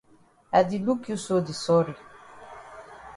I di look you so di sorry.